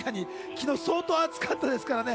昨日相当暑かったですからね。